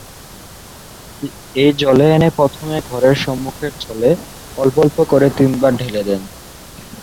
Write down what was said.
এই জল এনে প্রথমে ঘরের সম্মুখের ছলে অল্প অল্প করে তিনবার ঢেলে দেন।